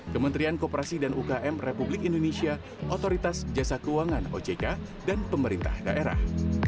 kementerian kooperasi dan ukm republik indonesia otoritas jasa keuangan ojk dan pemerintah daerah